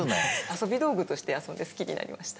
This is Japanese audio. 遊び道具として遊んで好きになりました。